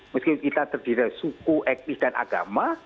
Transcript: meskipun kita terdiri dari suku etnis dan agama